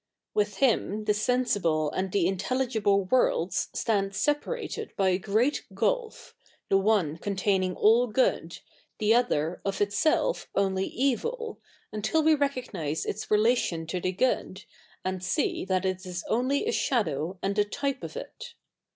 With him the sejisible and the intelligible worlds stand separated by a great gulf , the 07ie containiftg all good, the other of itself only evil, U7itil we recognise its relatio?i to the good, and see that it is only a shadow and a type of it.